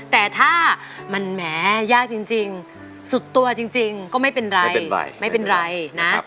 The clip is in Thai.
แต่ถ้ามันแหมยากจริงสุดตัวจริงก็ไม่เป็นไรไม่เป็นไรนะ